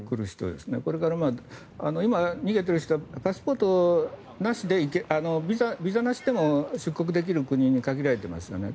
これから今逃げてくる人はパスポートなしでビザなしでも出国できる国に限られてますよね。